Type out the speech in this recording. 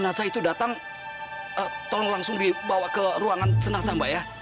jenazah itu datang tolong langsung dibawa ke ruangan senasa mbak ya